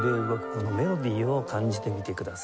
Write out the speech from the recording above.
このメロディを感じてみてください。